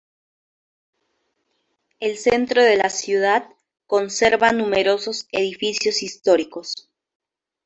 El centro de la ciudad conserva numerosos edificios históricos.